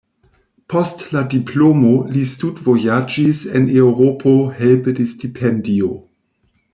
Post la diplomo li studvojaĝis en Eŭropo helpe de stipendio.